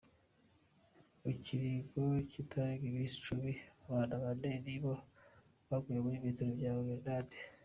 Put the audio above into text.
Mu kiringo kitarenga imisi cumi, abana bane ni bo baguye mu bitero vya grenade.